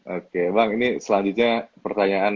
oke bang ini selanjutnya pertanyaan